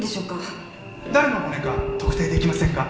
誰の骨か特定できませんか？